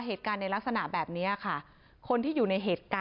เหตุการณ์ในลักษณะแบบเนี้ยค่ะ